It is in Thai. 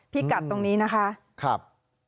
พี่กัดตรงนี้นะคะครับนะครับ